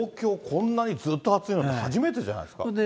こんなにずっと暑いの初めてじゃないですか。